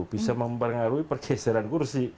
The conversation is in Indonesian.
bisa mempengaruhi pergeseran kursi